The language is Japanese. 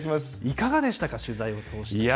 いかがでしたか、取材を通して。